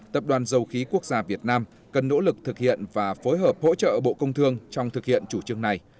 tập đoàn dầu khí quốc gia việt nam cần nỗ lực thực hiện và phối hợp hỗ trợ bộ công thương trong thực hiện chủ trương này